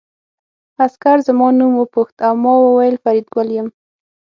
عسکر زما نوم وپوښت او ما وویل فریدګل یم